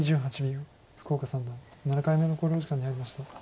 福岡三段７回目の考慮時間に入りました。